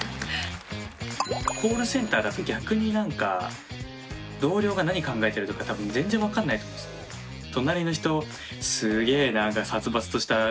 コールセンターだと逆に何か同僚が何考えてるとか多分全然分かんないと思うんです。